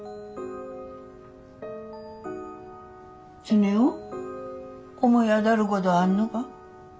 常雄思い当たることあんのが？